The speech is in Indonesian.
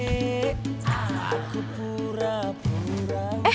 eh kok udah diundi sih